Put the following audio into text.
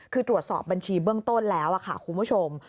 คือตรวจสอบบัญชีเบื้องต้นแล้วค่ะคุณผู้ชม